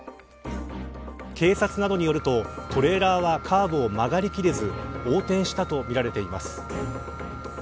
警察などによると、トレーラーはカーブを曲がりきれず横転したとみられています。